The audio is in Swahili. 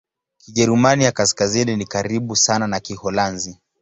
Kijerumani ya Kaskazini ni karibu sana na Kiholanzi.